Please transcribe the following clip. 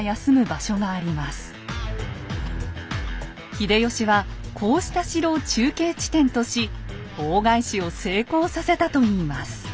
秀吉はこうした城を中継地点とし大返しを成功させたといいます。